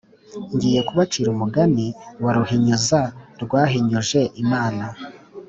Ngiye kubacira umugani wa Ruhinyuza rwahinyuje Imana.